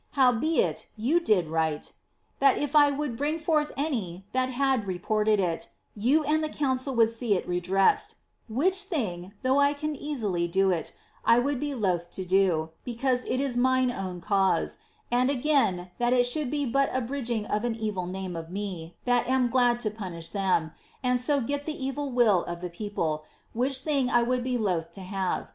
Howbeit, you did write *that if I would bring forth any that had reported it, you and tte council would see it redressed,' which thing, though I ean easily do it, I would be loth to do, because it is mine own cause ; and, again, that it should be bat abridging of an evil name of me that am glad to punish them, and so get the evil will of the people, which thing I would be loth to have.